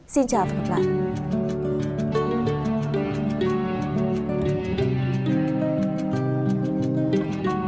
xin chào và hẹn gặp lại